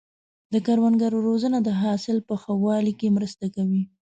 د کروندګرو روزنه د حاصل په ښه والي کې مرسته کوي.